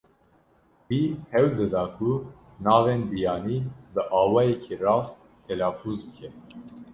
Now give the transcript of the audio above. Wî hewl dida ku navên biyanî bi awayekî rast telafûz bike.